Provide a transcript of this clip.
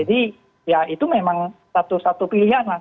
jadi ya itu memang satu satu pilihan lah